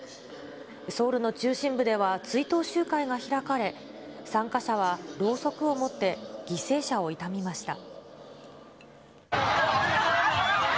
ソウルの中心部では追悼集会が開かれ、参加者はろうそくを持って犠牲者を悼みました。